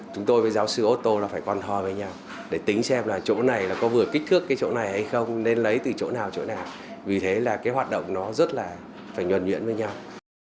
chúng tôi với giáo sư oto là phải quan thoi với nhau để tính xem là chỗ này có vừa kích thước cái chỗ này hay không nên lấy từ chỗ nào chỗ nào vì thế là cái hoạt động nó rất là phải nhuẩn nhuyễn với nhau